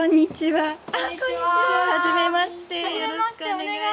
はい。